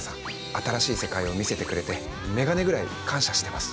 新しい世界を見せてくれて眼鏡ぐらい感謝してます。